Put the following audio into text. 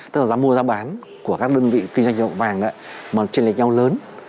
tức là giá mua giá bán của các đơn vị kinh doanh vàng mà trinh lệch nhau lớn